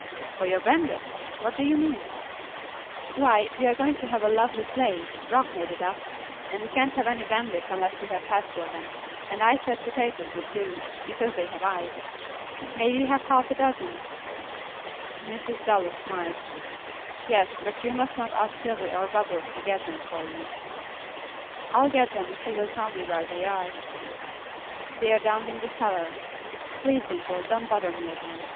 "For your bandits! What do you mean?" "Why, we are going to have a lovely play Rock made it up and we can't have any bandits unless we have heads for them, and I said potatoes would do, because they have eyes. May we have half a dozen?" Mrs. Dallas smiled. "Yes, but you must not ask Sylvy or Bubbles to get them for you." "I'll get them if you will tell me where they are." "They are down in the cellar. Please, Dimple, don't bother me again.